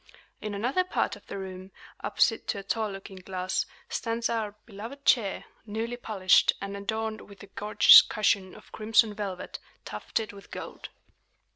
In another part of the room, opposite to a tall looking glass, stands our beloved chair, newly polished, and adorned with a gorgeous cushion of crimson velvet, tufted with gold.